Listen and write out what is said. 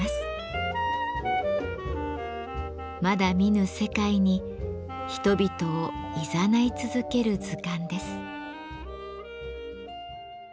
まだ見ぬ世界に人々をいざない続ける図鑑です。